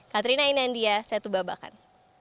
katrina inandia satu babakan